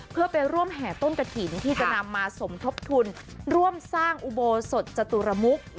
เพื่อไปร่วมแห่ต้นกระถิ่นที่จะนำมาสมทบทุนร่วมสร้างอุโบสถจตุรมุก